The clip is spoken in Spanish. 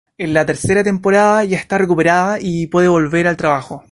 En la tercera temporada ya está recuperada y ya puede volver al trabajo.